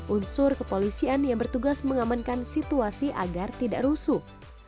unsur kepolisian yang bertugas mengamankan situasi agar tidak rusuh